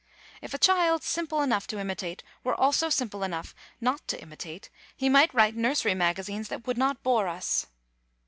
If a child simple enough to imitate were also simple enough not to imitate he might write nursery magazines that would not bore us.